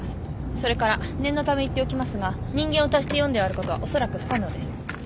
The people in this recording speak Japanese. それから念のため言っておきますが人間を足して４で割ることはおそらく不可能です。